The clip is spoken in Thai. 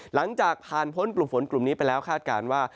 หลังจากผ่านพ้นกลุ่มฝนกลุ่มนี้ไปแล้วคาดการณ์ว่า